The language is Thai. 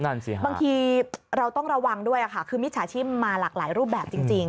บางทีเราต้องระวังด้วยค่ะคือมิจฉาชีพมาหลากหลายรูปแบบจริง